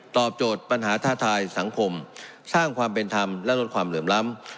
โจทย์ปัญหาท้าทายสังคมสร้างความเป็นธรรมและลดความเหลื่อมล้ำ